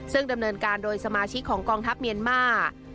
ซึ่งดำเนินการโดยสมาชิกของกองทัพเมียนมาร์